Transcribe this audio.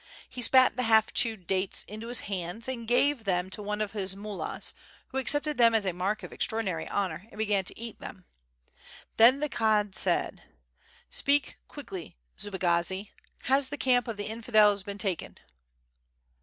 He spat the half chewed dates into his hand and gave them to one of his mullahs, who accepted them as a mark of extraordinary honor, and began to eat them. Then the Khan said: "Speak quickly Subagazi has the camp of the infidels been taken?"